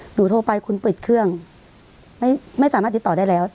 โทรไปคุณเปิดเครื่องไม่สามารถติดต่อได้แล้ว